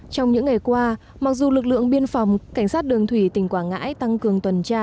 trong những ngày qua mặc dù lực lượng biên phòng cảnh sát đường thủy tỉnh quảng ngãi tăng cường tuần tra